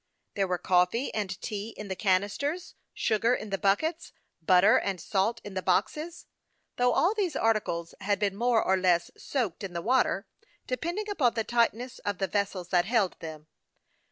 There were coffee and tea in the canisters, sugar in the buckets, butter and salt in the boxes ; though all these articles had been more or less soaked in the water, depending upon the tightness of the vessels that held them.